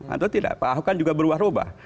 atau tidak pak ahok kan juga berubah ubah